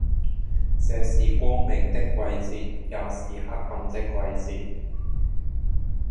這是光明的季節，也是黑暗的季節，